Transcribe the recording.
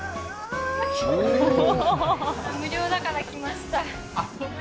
無料だから来ました。